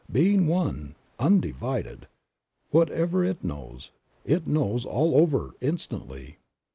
Being one, undivided, whatever It knows, It knows all over instantly.